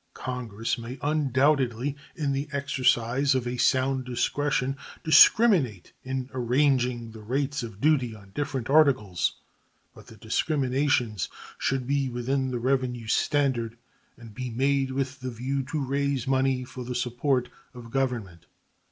Congress may undoubtedly, in the exercise of a sound discretion, discriminate in arranging the rates of duty on different articles, but the discriminations should be within the revenue standard and be made with the view to raise money for the support of Government.